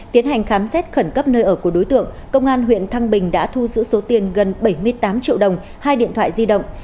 tiến hành khám xét khẩn cấp nơi ở của đối tượng công an huyện thăng bình đã thu giữ số tiền gần bảy mươi tám triệu đồng hai điện thoại di động